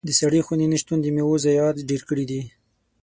د سړې خونې نه شتون د میوو ضايعات ډېر کړي دي.